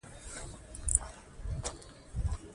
خو د توکو ویش له یو بل شی سره تړلی دی.